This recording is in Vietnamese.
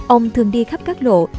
ông thường đi khắp các lộ